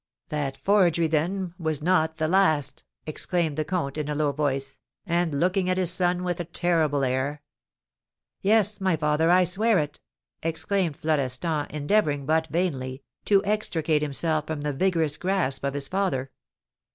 "That forgery, then, was not the last," exclaimed the comte, in a low voice, and looking at his son with a terrible air. "Yes, my father, I swear it!" exclaimed Florestan, endeavouring, but vainly, to extricate himself from the vigorous grasp of his father.